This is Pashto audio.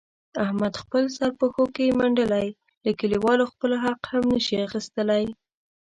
احمد خپل سر پښو کې منډلی، له کلیوالو خپل حق هم نشي اخستلای.